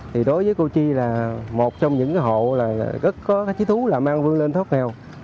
thì đối với cô chi là một trong những hộ rất có chí thú là mang vương lên thoát nghèo